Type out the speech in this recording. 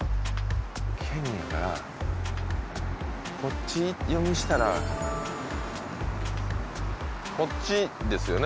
「剣」がこっち読みしたらこっちですよね